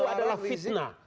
itu adalah fitnah